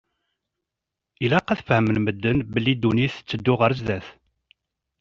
Ilaq ad fehmen medden belli ddunit tetteddu ar zdat.